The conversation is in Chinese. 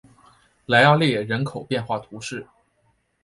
莱阿列人口变化图示